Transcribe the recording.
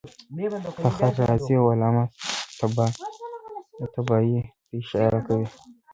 فخر رازي او علامه طباطبايي ته اشاره کوي.